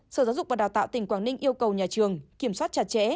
sở giáo dục và đào tạo tỉnh quảng ninh yêu cầu nhà trường kiểm soát chặt chẽ